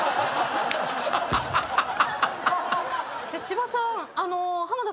千葉さん。